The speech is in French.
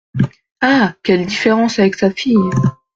Ah ! quelle différence avec sa fille !